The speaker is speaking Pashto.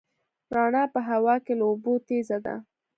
رڼا په هوا کې له اوبو تېزه ده.